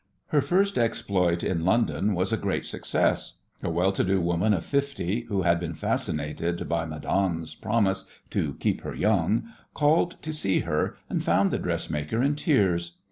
Her first exploit in London was a great success. A well to do woman of fifty, who had been fascinated by "Madame's" promise to keep her young, called to see her, and found the dressmaker in tears.